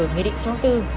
nghị định sáu mươi bốn